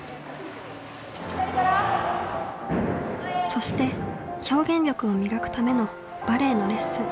そして表現力を磨くためのバレエのレッスン。